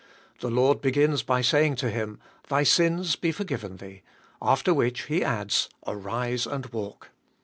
The Lord begins by say ing to him, "Thy sins be forgiven thee," after which He adds, "Arise and walk."